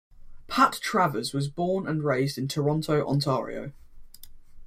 Pat Travers was born and raised in Toronto, Ontario.